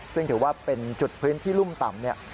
ซึ่งถือว่าเป็นจุดพื้นที่รุ่มต่ำเนี่ย